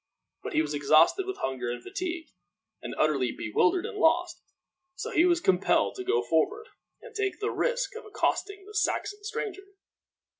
But he was exhausted with hunger and fatigue, and utterly bewildered and lost; so he was compelled to go forward, and take the risk of accosting the Saxon stranger.